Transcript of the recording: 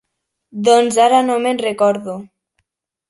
Doncs ara no me'n recordo.